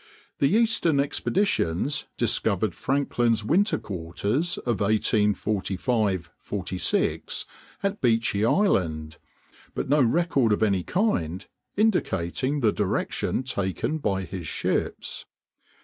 The eastern expeditions discovered Franklin's winter quarters of 1845 46 at Beechey Island, but no record of any kind indicating the direction taken by his ships.